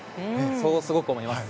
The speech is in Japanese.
そうすごく思います。